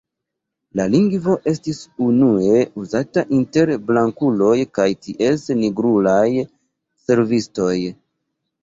La lingvo estis unue uzata inter blankuloj kaj ties nigrulaj servistoj.